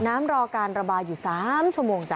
รอการระบายอยู่๓ชั่วโมงจ้